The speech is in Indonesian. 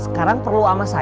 sekarang perlu ama saya